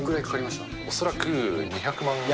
恐らく２００万ぐらい。